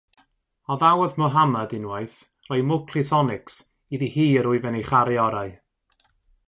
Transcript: Addawodd Muhammad unwaith roi mwclis onycs iddi hi yr wyf yn ei charu orau.